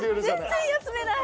全然休めない！